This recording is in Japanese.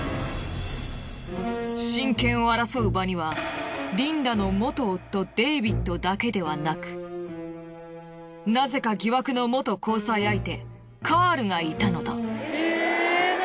親権を争う場にはリンダの元夫デイビッドだけではなくなぜか疑惑の元交際相手カールがいたのだ。